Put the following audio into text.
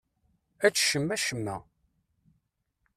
Ečč cemma-cemma.